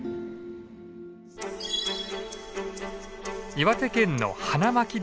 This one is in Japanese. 岩手県の花巻電鉄。